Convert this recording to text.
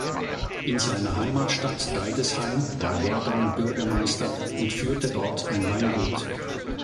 In seiner Heimatstadt Deidesheim war Jordan Bürgermeister und führte dort ein Weingut.